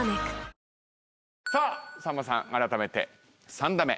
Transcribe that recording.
さあさんまさんあらためて３打目。